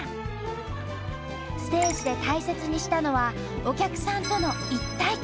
ステージで大切にしたのはお客さんとの一体感。